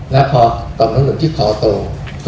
และพอต่อมระดูกที่ขอโตแล้ว